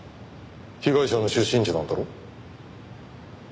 被害者の出身地なんだろ。